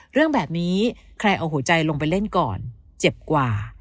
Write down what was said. เรื่องแบบนี้ใครเอาหัวใจลงไปเล่นก่อนเจ็บกว่า